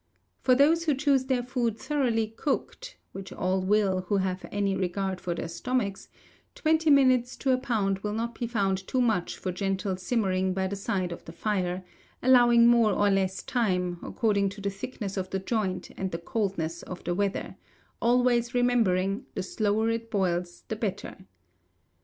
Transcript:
For those who choose their food thoroughly cooked (which all will who have any regard for their stomachs), twenty minutes to a pound will not be found too much for gentle simmering by the side of the fire; allowing more or less time, according to the thickness of the joint and the coldness of the weather; always remembering, the slower it boils the better.